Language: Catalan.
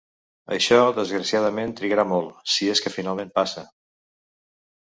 Això desgraciadament trigarà molt, si és que finalment passa.